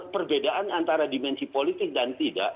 perbedaan antara dimensi politik dan tidak